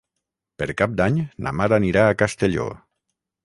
Per Cap d'Any na Mar anirà a Castelló.